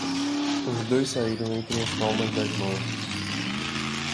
Os dois saíram entre as palmas das mãos.